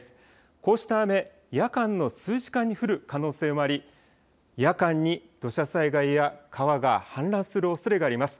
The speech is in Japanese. こうした雨、夜間の数時間に降る可能性もあり、夜間に土砂災害や川が氾濫するおそれがあります。